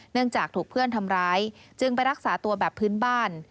จากถูกเพื่อนทำร้ายจึงไปรักษาตัวแบบพื้นบ้าน